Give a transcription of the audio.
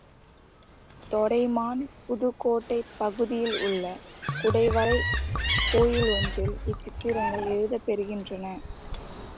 தொண்டைமான் புதுக்கோட்டைப் பகுதியில் உள்ள குடைவரைக் கோயில் ஒன்றில் இச்சித்திரங்கள் எழுதப் பெற்றிருக்கின்றன.